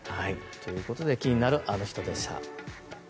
気になるアノ人でした。